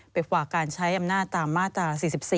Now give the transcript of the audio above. ไปกว่าการใช้อำนาจตามมาตรา๔๔